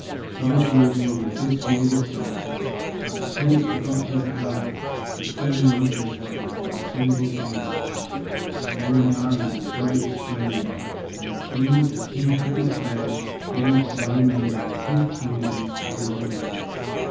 So agreeable was this youngest daughter that the prince forgot his anger and fell in love with her before a single day had passed. They were married with great splendor and the king, as he had declared, gave them the remainder of his kingdom as a wedding gift.